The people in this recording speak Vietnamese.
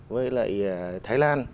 với lại thái lan